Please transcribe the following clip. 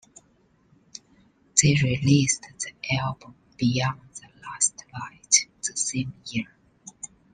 They released the album, "Beyond the Last Light", the same year.